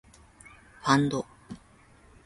ファンド